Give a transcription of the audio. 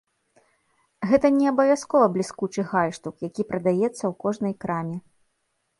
Гэта не абавязкова бліскучы гальштук, які прадаецца ў кожнай краме.